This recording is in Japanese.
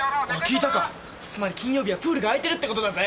つまり金曜日はプールがあいてるってことだぜ。